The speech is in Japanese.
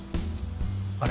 あれ？